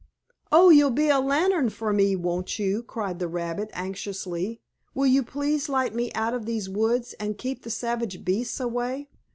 "Oh, you'll be a lantern for me, won't you?" cried the rabbit, anxiously. "Will you please light me out of these woods, and keep the savage beasts away?"